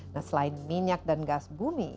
nah selain minyak dan gas bumi